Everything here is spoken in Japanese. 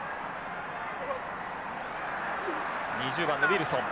２０番のウィルソン。